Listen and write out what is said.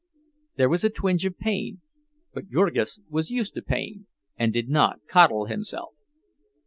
There was a twinge of pain, but Jurgis was used to pain, and did not coddle himself.